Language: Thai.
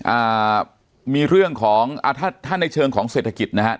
อ่ามีเรื่องของอ่าถ้าถ้าในเชิงของเศรษฐกิจนะครับ